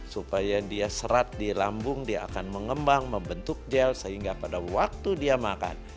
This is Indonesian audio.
supaya dia serat di lambung dia akan mengembang membentuk gel sehingga pada waktu dia makan